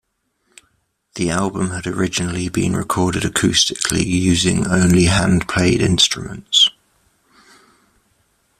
The album had originally been recorded acoustically using only hand-played instruments.